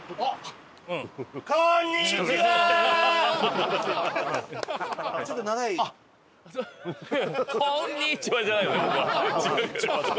「こんにちはー！」じゃない。